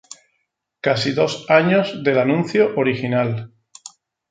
Casi dos años del anuncio original.